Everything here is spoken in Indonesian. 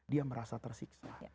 dia merasa tersiksa